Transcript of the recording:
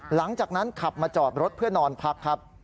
หลังจากนั้นขับมาจอดรถเพื่อนอนพักครับ